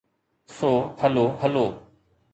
سو hello هلو.